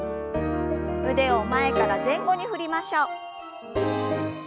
腕を前から前後に振りましょう。